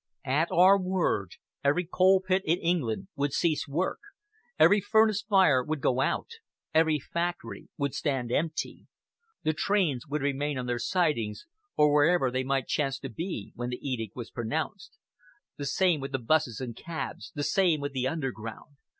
At our word, every coal pit in England would cease work, every furnace fire would go out, every factory would stand empty. The trains would remain on their sidings, or wherever they might chance to be when the edict was pronounced. The same with the 'buses and cabs, the same with the Underground.